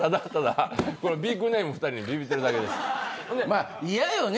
まあ嫌よね。